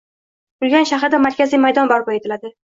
Urganch shahrida markaziy maydon barpo etiladi